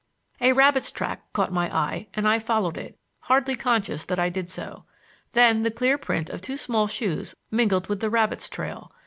A rabbit's track caught my eye and I followed it, hardly conscious that I did so. Then the clear print of two small shoes mingled with the rabbit's trail.